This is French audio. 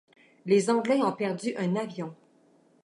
Les Anglais ont perdu un avion.